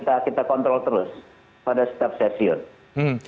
kita kontrol terus pada setiap stasiun